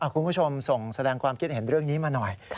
คุณผู้ชมส่งแสดงความคิดเห็นเรื่องนี้มาหน่อย